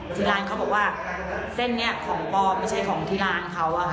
ที่ร้านเขาบอกว่าเส้นนี้ของปอไม่ใช่ของที่ร้านเขา